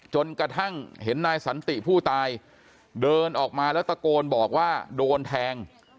จนกระทั่งเห็นนายสันติผู้ตายเดินออกมาแล้วตะโกนบอกว่าโดนแทง